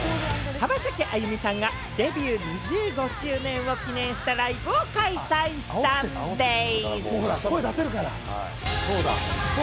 浜崎あゆみさんがデビュー２５周年を記念したライブを開催したんでぃす！